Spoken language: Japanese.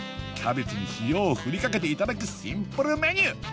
キャベツに塩をふりかけていただくシンプルメニュー！